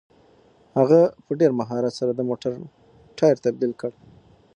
هغه په ډېر مهارت سره د موټر ټایر تبدیل کړ.